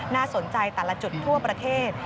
น่าสนใจแต่ละจุดทั่วประเทศ